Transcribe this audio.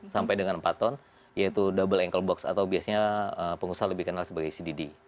sampai dengan empat ton yaitu double ankle box atau biasanya pengusaha lebih kenal sebagai cdd